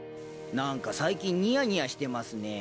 何か最近にやにやしてますね。